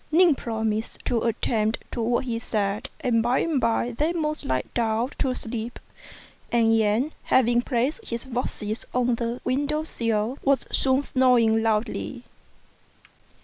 Ning promised to attend to what he said, and by and by they both lay down to sleep; and Yen, having placed his boxes on the window sill, was soon snoring loudly.